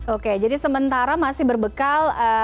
oke jadi sementara masih berbekal